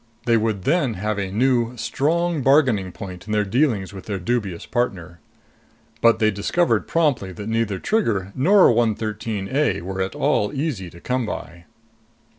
They would then have a new, strong bargaining point in their dealings with their dubious partner. But they discovered promptly that neither Trigger nor 113 A were at all easy to come by.